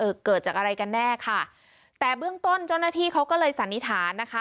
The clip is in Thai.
เกิดจากอะไรกันแน่ค่ะแต่เบื้องต้นเจ้าหน้าที่เขาก็เลยสันนิษฐานนะคะ